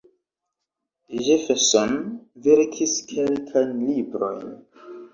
Jefferson verkis kelkajn librojn.